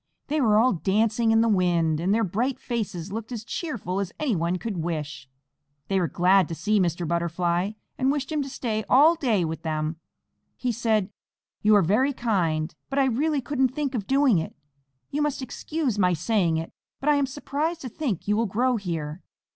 They were all dancing in the wind, and their bright faces looked as cheerful as anyone could wish. They were glad to see Mr. Butterfly, and wished him to stay all day with them. He said; "You are very kind, but I really couldn't think of doing it. You must excuse my saying it, but I am surprised to think you will grow here.